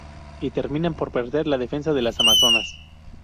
Y terminan por perder la defensa de las Amazonas.